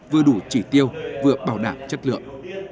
vừa đủ chỉ tiêu vừa bảo đảm chất lượng